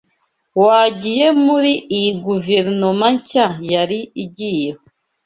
wagiye muri iyi guverinoma nshya yari igiyeho"